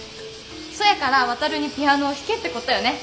そやから航にピアノを弾けって事よね？